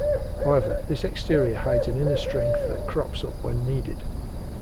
However, this exterior hides an inner strength that crops up when needed.